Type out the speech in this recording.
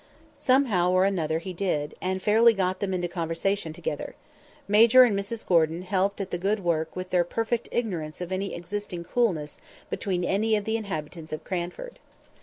Somehow or another he did; and fairly got them into conversation together. Major and Mrs Gordon helped at the good work with their perfect ignorance of any existing coolness between any of the inhabitants of Cranford.